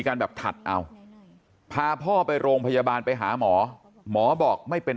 กันแบบถัดเอาพาพ่อไปโรงพยาบาลไปหาหมอหมอบอกไม่เป็น